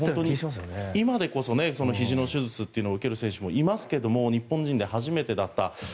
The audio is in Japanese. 今でこそひじの手術を受ける選手もいますけども日本人で初めてだった。